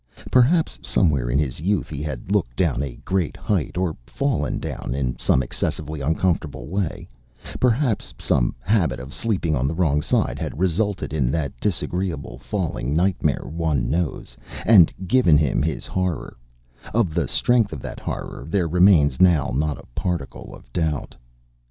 Perhaps somewhen in his youth he had looked down a great height or fallen down in some excessively uncomfortable way; perhaps some habit of sleeping on the wrong side had resulted in that disagreeable falling nightmare one knows, and given him his horror; of the strength of that horror there remains now not a particle of doubt.